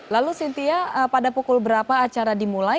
lalu sintia pada pukul berapa acara dimulai